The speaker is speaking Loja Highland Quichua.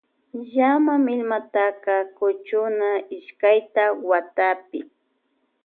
Llama milmataka kuchuna ishkayta watapi.